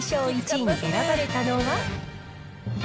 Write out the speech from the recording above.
１位に選ばれたのは？